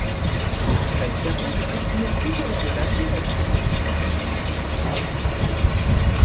Elle permet de rythmer tout au long de l'année la vie des étudiants.